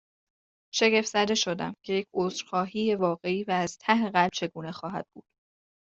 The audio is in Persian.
شگفت زده شدم، که یک عذرخواهی واقعی و از ته قلب چگونه خواهد بود؟